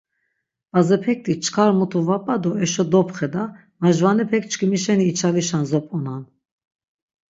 Bazepekti, çkar mutu va p̆a do eşo dopxeda, majvanepek çkimi şeni içalişan zop̆onan.